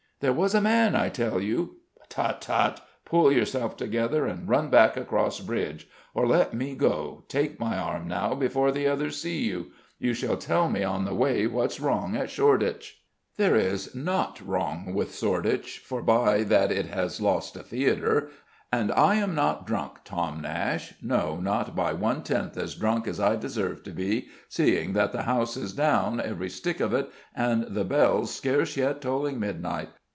"There was a man, I tell you " "Tut, tut, pull yourself together and run back across bridge. Or let me go: take my arm now, before the others see you. You shall tell me on the way what's wrong at Shoreditch." "There is naught wrong with Shoreditch, forby that it has lost a theatre: and I am not drunk, Tom Nashe no, not by one tenth as drunk as I deserve to be, seeing that the house is down, every stick of it, and the bells scarce yet tolling midnight.